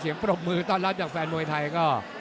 เสียงปรบมือตอนรัดจากแฟนมวยไทยก็